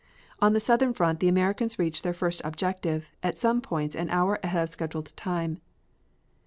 On the southern front the Americans reached their first objectives at some points an hour ahead of schedule time.